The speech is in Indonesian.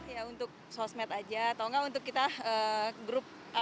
ya untuk sosmed aja atau enggak untuk kita grup